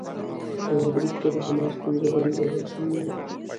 په هغه برید کې د حماس پنځه غړي وژل شوي وو